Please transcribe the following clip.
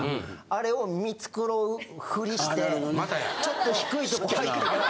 あれを見繕うフリしてちょっと低いとこ入ってから。